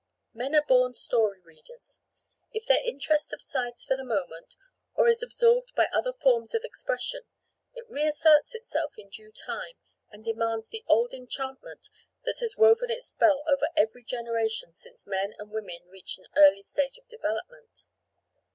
Men are born story readers; if their interest subsides for the moment, or is absorbed by other forms of expression, it reasserts itself in due time and demands the old enchantment that has woven its spell over every generation since men and women reached an early stage of development.